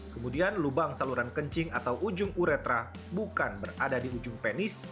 kemudian lubang saluran kencing atau ujung uretra bukan berada di ujung penis